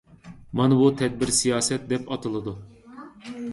مانا بۇ تەدبىر سىياسەت دەپ ئاتىلىدۇ.